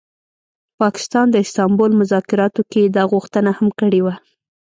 پاکستان د استانبول مذاکراتو کي دا غوښتنه هم کړې وه